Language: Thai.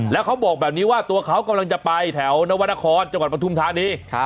แล้วเขาบอกแบบนี้ว่าตัวเขากำลังจะไปแถวนวรรณครจังหวัดปทุมธานี